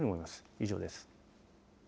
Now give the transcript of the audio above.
以上です。